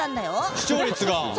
視聴率が。